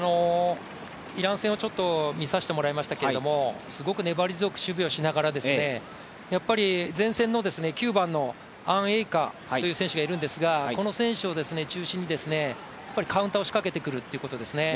イラン戦を見させてもらいましたけれども、すごく粘り強く守備をしながら、前線の９番のアン・エイカという選手がいますけどこの選手を中心にカウンターを仕掛けてくるということですね。